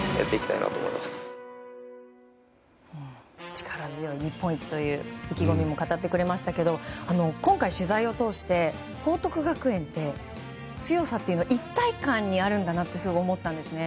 力強い日本一という意気込みも語ってくれましたけど今回、取材を通して報徳学園って、強さというのは一体感にあるんだなってすごく思ったんですね。